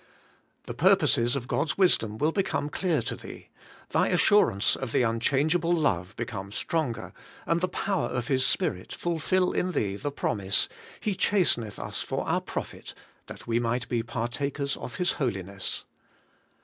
The purposes of God's wisdom will become clear to thee, thy assurance of the unchangeable love become stronger, and the power of His Spirit fulfil in thee the promise: *He chasteneth us for our profit, that we might be partakers of His holiness.'